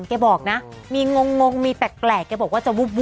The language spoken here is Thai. แกบอกนะมีงงมีแปลกแกบอกว่าจะวุบ